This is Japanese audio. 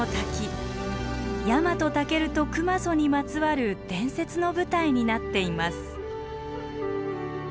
ヤマトタケルと熊襲にまつわる伝説の舞台になっています。